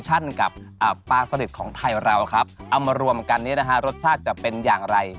อร่อยครับมีความกรอบของปลาสลิบครับ